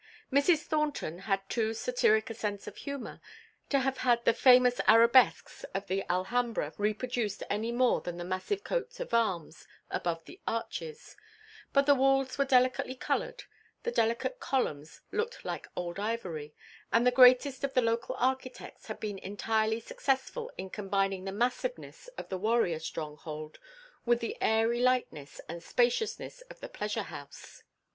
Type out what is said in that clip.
Mrs. Thornton had too satiric a sense of humor to have had the famous arabesques of the Alhambra reproduced any more than the massive coats of arms above the arches, but the walls were delicately colored, the delicate columns looked like old ivory, and the greatest of the local architects had been entirely successful in combining the massiveness of the warrior stronghold with the airy lightness and spaciousness of the pleasure house.